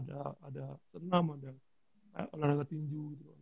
ada tenang ada olahraga tinju